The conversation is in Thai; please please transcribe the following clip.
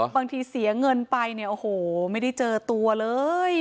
บางทีเสียเงินไปเนี่ยโอ้โหไม่ได้เจอตัวเลย